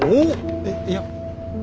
えっいや。